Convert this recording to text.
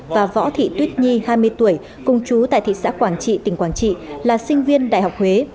và võ thị tuyết nhi hai mươi tuổi cùng chú tại thị xã quảng trị tỉnh quảng trị là sinh viên đại học huế